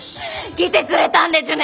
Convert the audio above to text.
来てくれたんでちゅね！？